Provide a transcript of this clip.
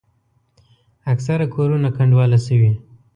اکثره کورونه کنډواله شوي.